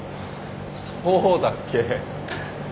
そうだっけ。